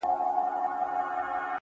ته نو اوس راسه” له دوو زړونو تار باسه”